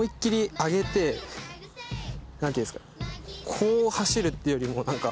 こう走るっていうよりも何か。